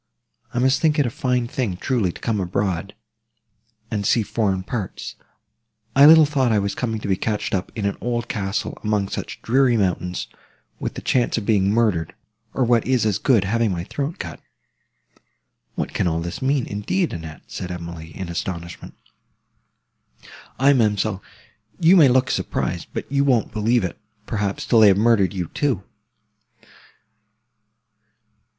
I must think it a fine thing, truly, to come abroad, and see foreign parts! I little thought I was coming to be catched up in an old castle, among such dreary mountains, with the chance of being murdered, or, what is as good, having my throat cut!" "What can all this mean, indeed, Annette?" said Emily, in astonishment. "Aye, ma'amselle, you may look surprised; but you won't believe it, perhaps, till they have murdered you, too.